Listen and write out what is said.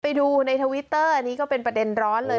ไปดูในทวิตเตอร์อันนี้ก็เป็นประเด็นร้อนเลย